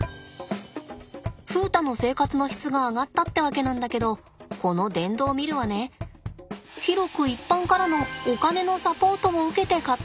風太の生活の質が上がったってわけなんだけどこの電動ミルはね広く一般からのお金のサポートも受けて買ったんだって。